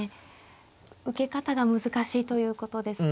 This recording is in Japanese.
受け方が難しいということですか。